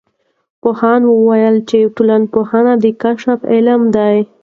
پوهانو ویلي چې ټولنپوهنه د کشف علم دی.